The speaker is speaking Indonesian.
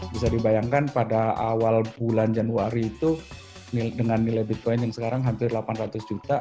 bisa dibayangkan pada awal bulan januari itu dengan nilai bitcoin yang sekarang hampir delapan ratus juta